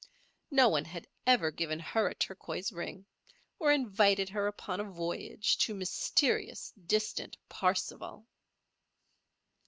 No one had ever given her a turquoise ring or invited her upon a voyage to mysterious, distant "Parsifal."